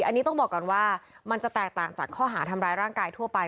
อันนี้ต้องบอกก่อนว่ามันจะแตกต่างจากข้อหาทำร้ายร่างกายทั่วไป